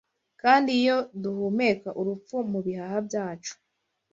Kandi iyo duhumeka Urupfu mu bihaha byacu